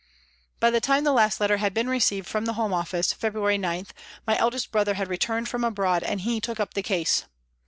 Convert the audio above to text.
By the time the last letter had been received from the Home Office, February 9, my eldest brother had returned from abroad, and he took up the case.